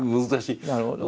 なるほど。